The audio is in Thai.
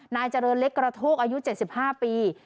นายเจริญเล็กกระโทกอายุ๗๕ปี